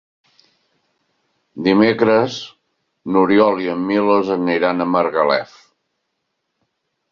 Dimecres n'Oriol i en Milos aniran a Margalef.